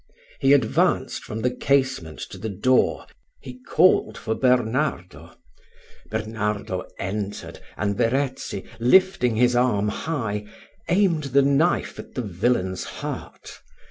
He advanced from the casement to the door: he called for Bernardo Bernardo entered, and Verezzi, lifting his arm high, aimed the knife at the villain's heart.